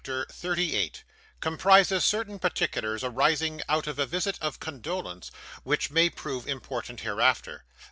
CHAPTER 38 Comprises certain Particulars arising out of a Visit of Condolence, which may prove important hereafter.